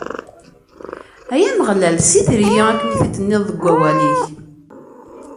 Ay Ameɣlal, ssider-iyi akken i t-id-tenniḍ deg wawal-ik!